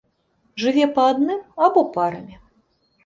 Жыве па адным або парамі.